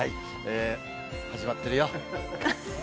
始まってるよ。